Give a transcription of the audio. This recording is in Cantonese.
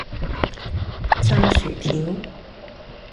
炸薯條